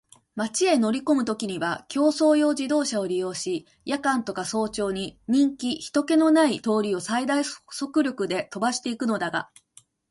町へ乗りこむときには競走用自動車を利用し、夜間とか早朝に人気ひとけのない通りを最大速力で飛ばしていくのだが、